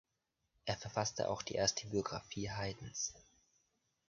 Er verfasste auch die erste Biographie Haydns.